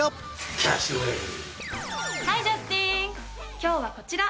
今日はこちら。